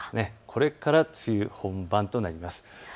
これから梅雨本番となります。